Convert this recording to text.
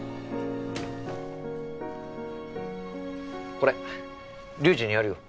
これ隆治にやるよ。